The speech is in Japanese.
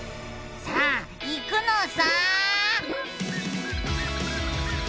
さあいくのさ！